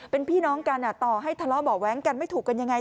เป็นพี่น้องกันต่อให้ทะเลาะเบาะแว้งกันไม่ถูกกันยังไง